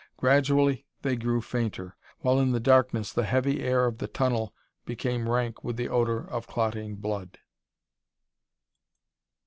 Gradually they grew fainter, while in the darkness the heavy air of the tunnel became rank with the odor of clotting blood.